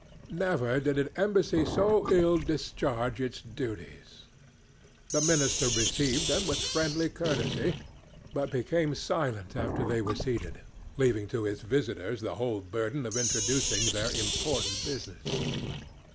Never did an embassy so ill discharge its duties. The minister received them with friendly courtesy, but became silent after they were seated, leaving to his visitors the whole burden of introducing their important business.